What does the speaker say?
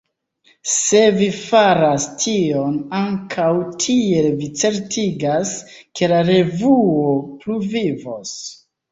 Se vi faras tion, ankaŭ tiel vi certigas, ke la revuo pluvivos.